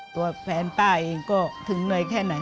ตัวแฟนป้าเองก็ถึงเหนื่อยแค่ไหน